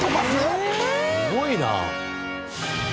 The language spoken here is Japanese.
すごいな。